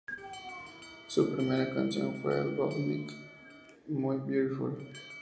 Su primera canción fue "Goodnight My Beautiful".